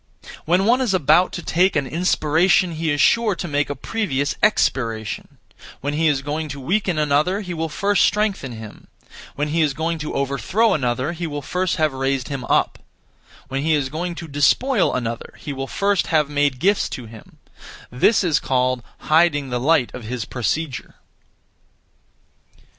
When one is about to take an inspiration, he is sure to make a (previous) expiration; when he is going to weaken another, he will first strengthen him; when he is going to overthrow another, he will first have raised him up; when he is going to despoil another, he will first have made gifts to him: this is called 'Hiding the light (of his procedure).'